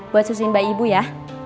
buat susun mbak ibu ya